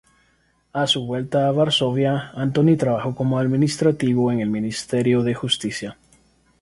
A su vuelta a Varsovia Antoni trabajó como administrativo en el ministerio de justicia.